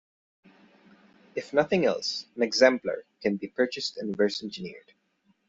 If nothing else, an exemplar can be purchased and reverse engineered.